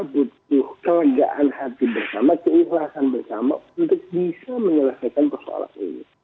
butuh kelegaan hati bersama keikhlasan bersama untuk bisa menyelesaikan persoalan ini